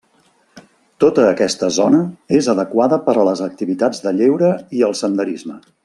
Tota aquesta zona és adequada per a les activitats de lleure i el senderisme.